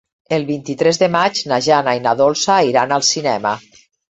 El vint-i-tres de maig na Jana i na Dolça iran al cinema.